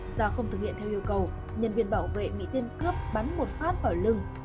do không thực hiện theo yêu cầu nhân viên bảo vệ bị tiên cướp bắn một phát vào lưng